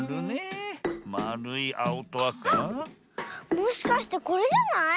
もしかしてこれじゃない？